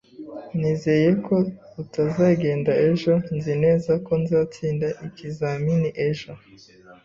Nizeye ko utazagenda ejo Nzi neza ko nzatsinda ikizamini ejo